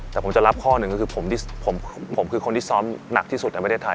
แต่ผมจะรับข้อหนึ่งก็คือผมคือคนที่ซ้อมหนักที่สุดในประเทศไทย